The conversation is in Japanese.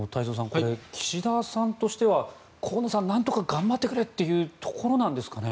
これ、岸田さんとしては河野さんなんとか頑張ってくれということなんですかね。